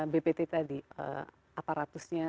bptd tadi aparatusnya